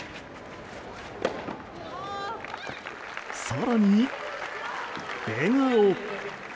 更に、笑顔。